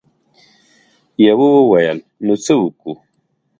يوه وويل: نو څه وکو؟